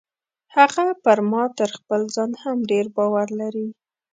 هغه پر ما تر خپل ځان هم ډیر باور لري.